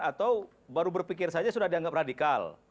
atau baru berpikir saja sudah dianggap radikal